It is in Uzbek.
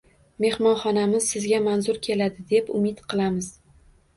Mehmonxonamiz sizga manzur keladi deb umid qilamiz.